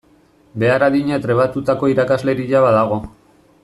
Behar adina trebatutako irakasleria badago.